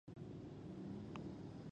افغانستان کې تنوع د خلکو د خوښې وړ ځای دی.